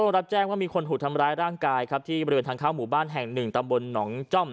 รับแจ้งว่ามีคนถูกทำร้ายร่างกายครับที่บริเวณทางเข้าหมู่บ้านแห่งหนึ่งตำบลหนองจ้อม